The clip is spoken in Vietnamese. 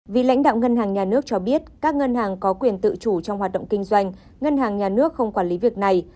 vì lãnh đạo ngân hàng nhà nước cho biết các ngân hàng có quyền tự chủ trong hoạt động kinh doanh ngân hàng nhà nước không quản lý việc này